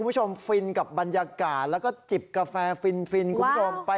ตระกี่แอบนิดนึง